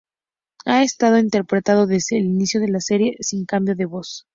Ha estado interpretando desde el inicio de la serie, sin cambios de voz.